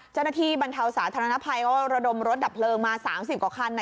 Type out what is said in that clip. บรรเทาสาธารณภัยก็ระดมรถดับเพลิงมา๓๐กว่าคัน